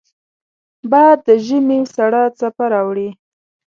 باد د ژمې سړه څپه راوړي